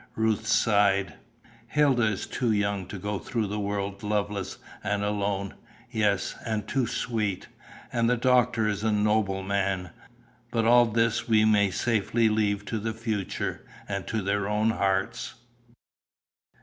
'" Ruth sighed. "Hilda is too young to go through the world loveless and alone. Yes, and too sweet. And the doctor is a noble man. But all this we may safely leave to the future, and to their own hearts."